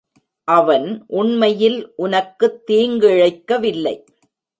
அவன் உண்மையில் உனக்குத் தீங்கிழைக்கவில்லை.